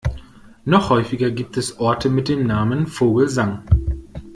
Noch häufiger gibt es Orte mit dem Namen Vogelsang.